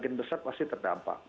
bagian besar pasti terdampak